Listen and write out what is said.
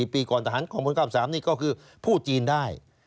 ปีก่อนทหารกองพล๙๓นี่ก็คือพูดจีนได้